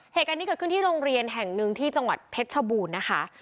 เหตุการณ์นี้เกิดขึ้นที่โรงเรียนแห่งหนึ่งที่จังหวัดเพชรชบูรณ์นะคะ